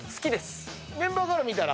メンバーから見たら？